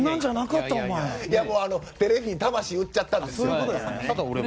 テレビに魂を売っちゃったんですよ。